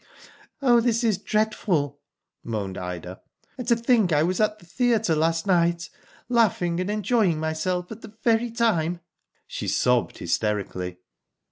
"Oh, this is dreadful," moaned Ida; "and to think I was at the theatre last night, laughing and enjoying myself at the very time " She sobbed hysterically.